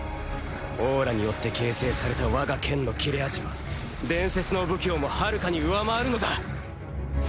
オーラによって形成された我が剣の切れ味は伝説の武器をもはるかに上回るのだ。